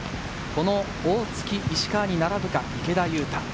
この大槻、石川に並ぶか池田勇太。